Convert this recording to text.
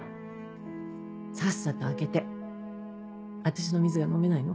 さっさと空けて私の水が飲めないの？